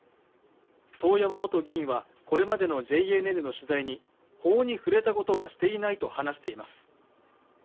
遠山元議員はこれまでのＪＮＮの取材に法に触れたことはしていないと話しています。